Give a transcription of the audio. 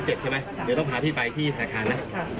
๓๗ใช่ไหมเดี๋ยวต้องพาพี่ไปที่สาขานะ